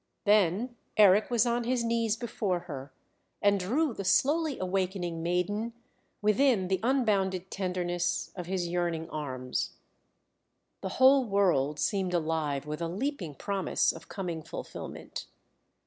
Then Eric was on his knees before her, and drew the slowly awakening maiden within the unbounded tenderness of his yearning arms. The whole world seemed alive with a leaping promise of coming fulfilment.